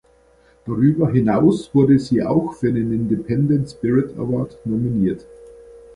Darüber hinaus wurde sie auch für den Independent Spirit Award nominiert.